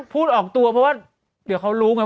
พูดออกตัวเพราะว่าเดี๋ยวเขารู้ไง